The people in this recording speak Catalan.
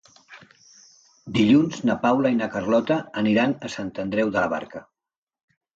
Dilluns na Paula i na Carlota aniran a Sant Andreu de la Barca.